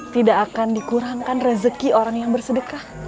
tidak akan dikurangkan rezeki orang yang bersedekah